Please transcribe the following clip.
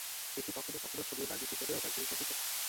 এটি কখনও কখনও ছবির বার্নিশ হিসেবেও ব্যবহৃত হতো।